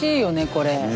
これ。